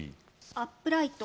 アップライト